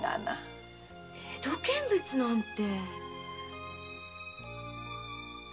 江戸見物なんて。